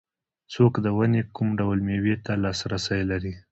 څوک د ونې کوم ډول مېوې ته لاسرسی لري